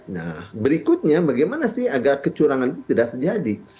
nah berikutnya bagaimana sih agar kecurangan itu tidak terjadi